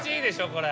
これ。